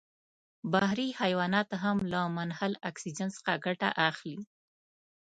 بحري حیوانات هم له منحل اکسیجن څخه ګټه اخلي.